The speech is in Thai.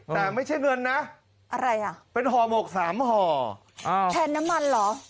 แต่ไม่ใช่เงินนะอะไรอ่ะเป็นห่อหมกสามห่ออ่าแทนน้ำมันเหรอ